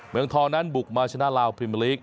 เมืองทองนั้นบุกมาชนะลาวพรีเมอร์ลีก